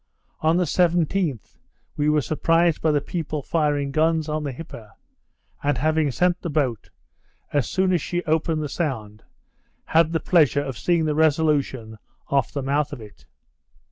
On the 17th, we were surprised by the people firing guns on the Hippa, and having sent the boat, as soon as she opened the sound, had the pleasure of seeing the Resolution off the mouth of it.